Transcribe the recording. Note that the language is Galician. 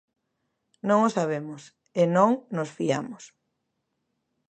Non o sabemos... e non nos fiamos.